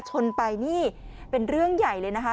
ชนไปนี่เป็นเรื่องใหญ่เลยนะคะ